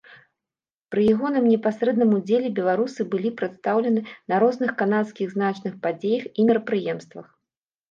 Пры ягоным непасрэдным удзеле беларусы былі прадстаўлены на розных канадскіх значных падзеях і мерапрыемствах.